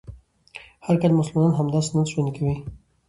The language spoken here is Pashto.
هر کال مسلمانان همدا سنت ژوندی کوي